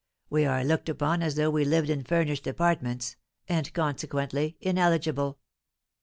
We are looked upon as though we lived in furnished apartments, and, consequently, ineligible.